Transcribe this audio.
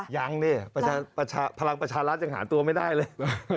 ยังดิพลังประชารัฐยังหาตัวไม่ได้เลย